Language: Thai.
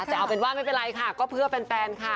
แต่เอาเป็นว่าไม่เป็นไรค่ะก็เพื่อแฟนค่ะ